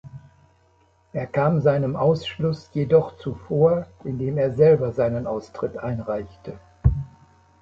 Er kam seinem Ausschluss jedoch zuvor, indem er selber seinen Austritt einreichte.